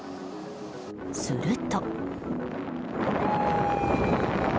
すると。